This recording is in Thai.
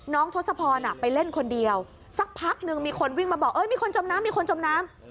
ทศพรไปเล่นคนเดียวสักพักนึงมีคนวิ่งมาบอกมีคนจมน้ำมีคนจมน้ำ